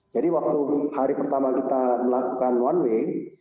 jadi waktu hari pertama kita melakukan one way